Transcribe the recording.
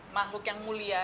makhluk yang mulia